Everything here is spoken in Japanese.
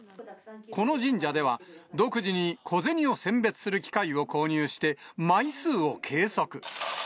この神社では、独自に小銭を選別する機械を購入して、枚数を計測。